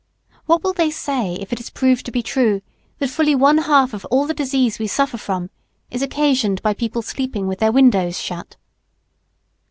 What will they say if it is proved to be true that fully one half of all the disease we suffer from is occasioned by people sleeping with their windows shut?